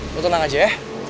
lo tenang aja ya